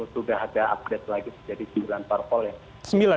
sudah ada update lagi dari sembilan parpol ya